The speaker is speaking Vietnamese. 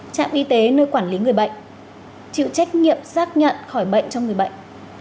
trạm y tế nơi quản lý người bệnh chịu trách nhiệm xác nhận khỏi bệnh cho người bệnh